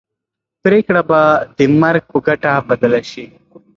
پرېکړه به د مرګ په ګټه بدله شي.